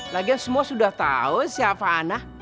lagian semua sudah tahu siapa ana